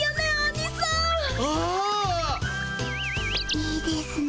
いいですね